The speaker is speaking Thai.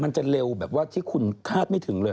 มันจะเร็วแบบว่าที่คุณคาดไม่ถึงเลย